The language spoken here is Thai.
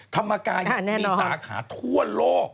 ธรรมกายมีสาขาทั่วโลก